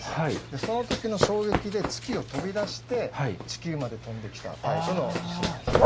その時の衝撃で月を飛び出して地球まで飛んできたタイプの石なんですね。